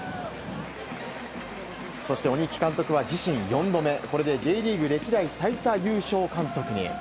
そして鬼木監督は自身４度目。これでＪリーグ歴代最多優勝監督に。